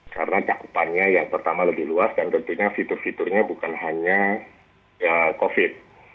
karena cakupannya yang pertama lebih luas dan tentunya fitur fiturnya bukan hanya covid